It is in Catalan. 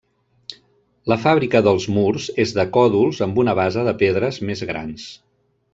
La fàbrica dels murs és de còdols amb una base de pedres més grans.